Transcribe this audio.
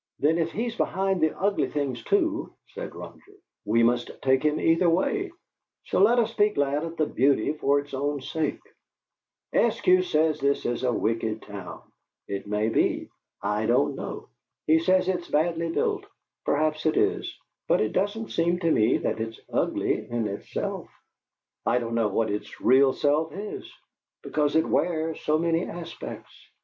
"Then, if he is behind the ugly things, too," said Roger, "we must take him either way, so let us be glad of the beauty for its own sake. Eskew says this is a wicked town. It may be I don't know. He says it's badly built; perhaps it is; but it doesn't seem to me that it's ugly in itself. I don't know what its real self is, because it wears so many aspects.